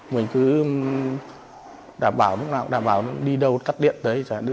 mình cứ đảm bảo lúc nào cũng đảm bảo đi đâu tắt điện tới